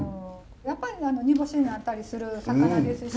やっぱり煮干しになったりする魚ですし。